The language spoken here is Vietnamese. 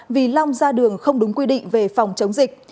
vì long ra đường không đúng quy định về phòng chống dịch